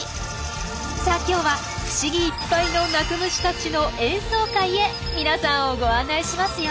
さあ今日は不思議いっぱいの鳴く虫たちの演奏会へ皆さんをご案内しますよ！